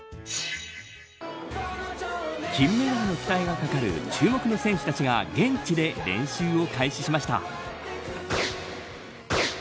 金メダルの期待が懸かる注目の選手たちが現地で練習を開始しました。